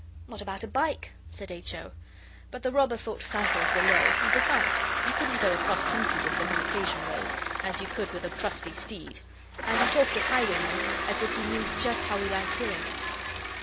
'What about a bike?' said H. O. But the robber thought cycles were low and besides you couldn't go across country with them when occasion arose, as you could with a trusty steed. And he talked of highwaymen as if he knew just how we liked hearing it.